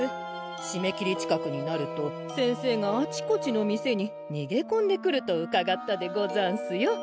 しめきり近くになると先生があちこちの店ににげこんでくるとうかがったでござんすよ。